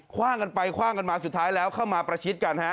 ว่างกันไปคว่างกันมาสุดท้ายแล้วเข้ามาประชิดกันฮะ